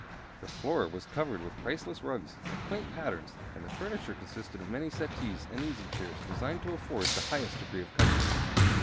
The floor was covered with priceless rugs of quaint patterns, and the furniture consisted of many settees and easy chairs designed to afford the highest degree of comfort.